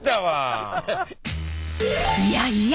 いやいや！